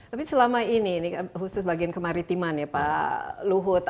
tapi selama ini ini khusus bagian kemaritiman ya pak luhut